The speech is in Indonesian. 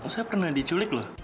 saya pernah diculik loh